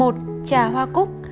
một trà hoa cúc